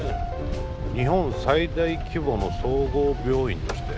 日本最大規模の総合病院として。